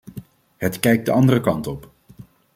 Het kijkt de andere kant op.